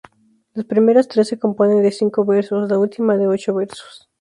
Las primeras tres se componen de cinco versos, la última de ocho versos.